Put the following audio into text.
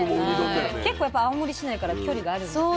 結構青森市内から距離があるんですね？